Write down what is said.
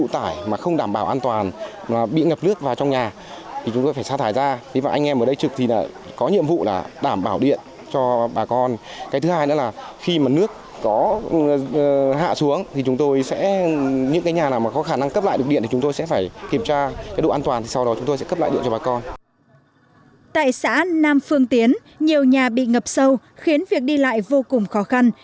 tại xã nam phương tiến nhiều nhà bị ngập sâu khiến việc đi lại vô cùng khó khăn